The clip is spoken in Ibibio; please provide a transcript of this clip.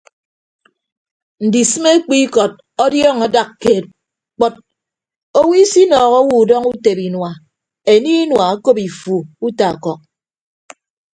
Ndisịme ekpu ikọt ọdiọọñọ adak keed kpọt owo isinọọhọ owo udọñọ utebe inua enie inua okop ifu uta ọkọk.